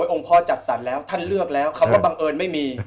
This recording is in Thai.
องค์พ่อจัดสรรแล้วท่านเลือกแล้วคำว่าบังเอิญไม่มี